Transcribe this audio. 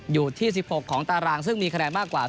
อยู่ที่๑๖ของตารางซึ่งมีคะแนนมากกว่า